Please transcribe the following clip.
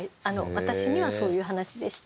私にはそういう話でした。